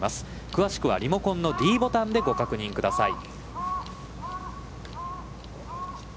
詳しくはリモコンのｄボタンでご確認ください。